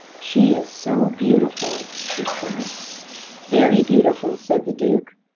"She is so beautiful!" she said. "Very beautiful," said the Duke.